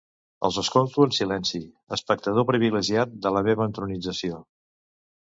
Els escolto en silenci, espectador privilegiat de la meva entronització.